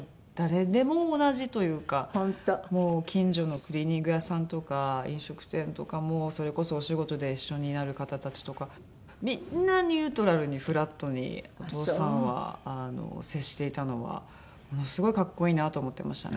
もう近所のクリーニング屋さんとか飲食店とかもそれこそお仕事で一緒になる方たちとかみんなニュートラルにフラットにお義父さんは接していたのはものすごい格好いいなと思ってましたね。